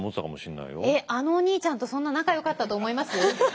えっあのお兄ちゃんとそんな仲よかったと思います？